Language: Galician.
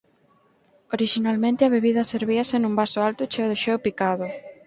Orixinalmente a bebida servíase nun vaso alto cheo de xeo picado.